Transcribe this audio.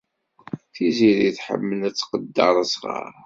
Tiziri tḥemmel ad tqedder asɣar.